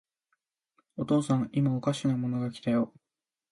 お父さん、いまおかしなものが来たよ。